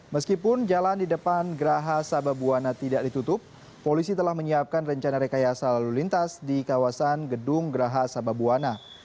meskipun jalan di depan geraha sababwana tidak ditutup polisi telah menyiapkan rencana rekayasa lalu lintas di kawasan gedung geraha sababwana